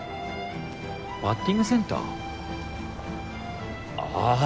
バッティングセンター？あぁ。